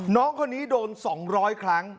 น้องคนนี้โดน๒๐๐ครั้ง